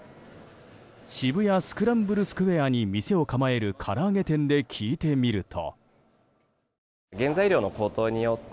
渋谷スクランブルスクエアに店を構えるから揚げ店で聞いてみると。